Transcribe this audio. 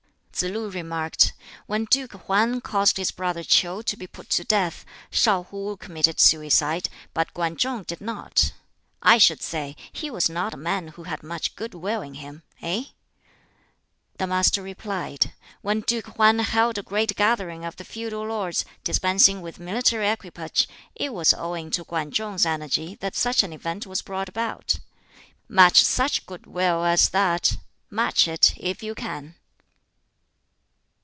Tsz lu remarked, "When Duke Hwan caused his brother Kiu to be put to death, Shau Hwuh committed suicide, but Kwan Chung did not. I should say he was not a man who had much good will in him eh?" The Master replied, "When Duke Hwan held a great gathering of the feudal lords, dispensing with military equipage, it was owing to Kwan Chung's energy that such an event was brought about. Match such good will as that match it if you can."